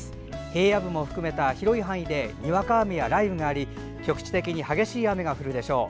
平野部も含めた広い範囲でにわか雨や雷雨があり局地的に激しい雨が降るでしょう。